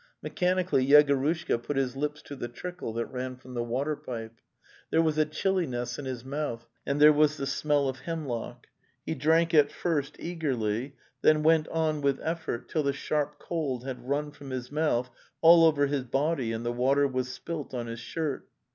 ... Mechanically Yegorushka put his lips to the trickle that ran from the waterpipe; there was a chill iness in his mouth and there was the smell of hem lock. He drank at first eagerly, then went on with effort till the sharp cold had run from his mouth all over his body and the water was spilt on his shirt.